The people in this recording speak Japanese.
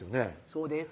そうです